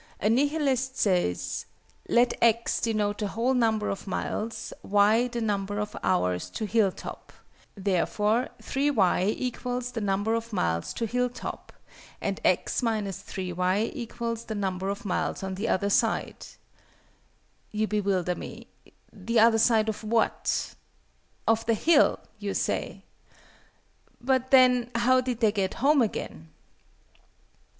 A NIHILIST says "Let x denote the whole number of miles; y the number of hours to hill top; [ therefore] 3_y_ = number of miles to hill top, and x 3_y_ = number of miles on the other side." You bewilder me. The other side of what? "Of the hill," you say. But then, how did they get home again?